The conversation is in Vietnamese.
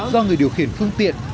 do người điều khiển phương tiện